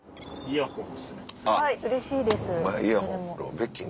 はいうれしいです。